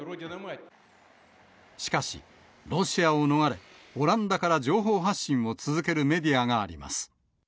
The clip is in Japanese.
しかし、ロシアを逃れ、オランダから情報発信を続けるメディアがあります。